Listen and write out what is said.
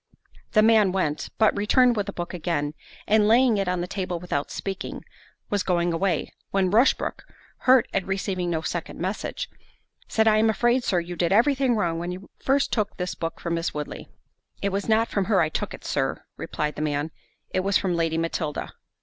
The man went; but returned with the book again, and laying it on the table without speaking, was going away; when Rushbrook, hurt at receiving no second message, said, "I am afraid, Sir, you did very wrong when you first took this book from Miss Woodley." "It was not from her I took it, Sir," replied the man, "it was from Lady Matilda."